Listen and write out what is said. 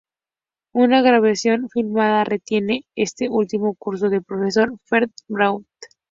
Una grabación filmada retiene este último curso del profesor Fernand Braudel.